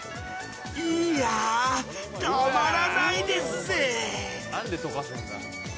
いやあ、たまらないですぜ。